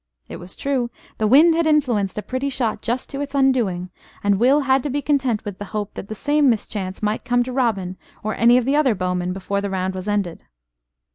It was true: the wind had influenced a pretty shot just to its undoing, and Will had to be content with the hope that the same mischance might come to Robin or any of the other bowmen before the round was ended.